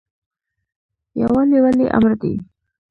یووالی ولې امر دی؟